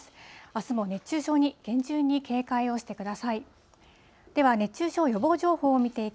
あすも熱中症に厳重に警戒をしてください。